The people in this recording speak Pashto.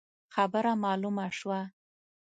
خبره مالومه شوه.